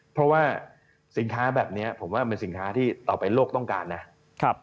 เพราะว่าสินค้าแบบนี้ผมว่าเป็นสินค้าที่ต่อไปโลกต้องการนะครับ